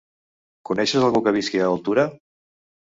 Coneixes algú que visqui a Altura?